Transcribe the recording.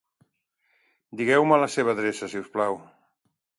Digueu-me la seva adreça, si us plau.